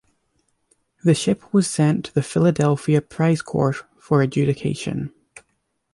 The ship was sent to the Philadelphia Prize court for adjudication.